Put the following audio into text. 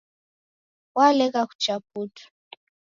Walegha kucha putu